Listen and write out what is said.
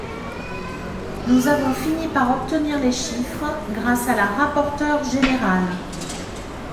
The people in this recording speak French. Nous avons fini par obtenir les chiffres grâce à la rapporteure générale.